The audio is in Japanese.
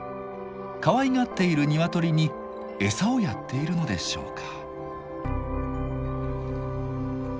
かわいがっている鶏に餌をやっているのでしょうか？